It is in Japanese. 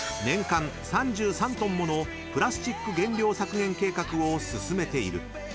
［年間３３ｔものプラスチック原料削減計画を進めている］